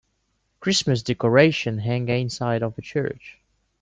Christmas decorations hang inside of a church